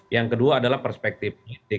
yang kedua adalah perspektif politik